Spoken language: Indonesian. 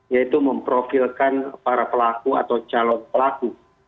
yaitu memprofilkan para pelaku atau calon pelaku